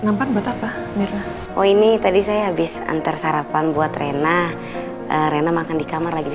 masalah ini juga sangat sangat urgent untuk kami